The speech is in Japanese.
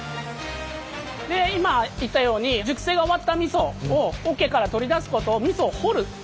で今言ったように熟成が終わった味噌を桶から取り出すことを掘る。